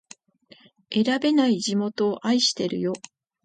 選べない地元を愛してるよ